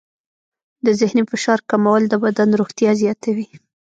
د ذهني فشار کمول د بدن روغتیا زیاتوي.